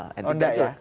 oh tidak ya